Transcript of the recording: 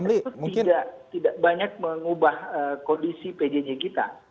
itu tidak banyak mengubah kondisi pjj kita